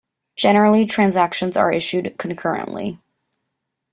Generally, transactions are issued concurrently.